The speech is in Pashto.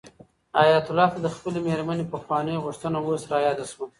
حیات الله ته د خپلې مېرمنې پخوانۍ غوښتنه اوس رایاده شوه.